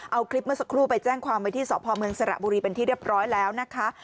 เอาคลิปเมื่อสักครู่ไปแจ้งความไว้ที่สพเมืองสระบุรีเป็นที่เรียบร้อยแล้วนะคะ